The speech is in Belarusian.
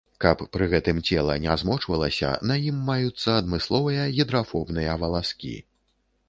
Каб пры гэтым цела не змочвалася, на ім маюцца адмысловыя гідрафобныя валаскі.